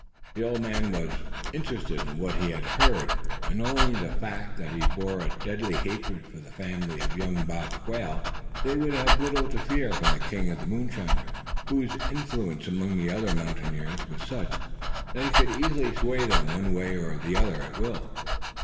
The old man was interested in what he had heard; and only for the fact that he bore a deadly hatred for the family of young Bob Quail, they would have little to fear from the king of the moonshiners, whose influence among the other mountaineers was such that he could easily sway them one way or the other at will.